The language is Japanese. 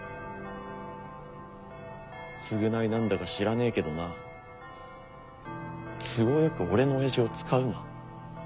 償いなんだか知らねえけどな都合よく俺の親父を使うな。